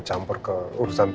nih nanti aku mau minum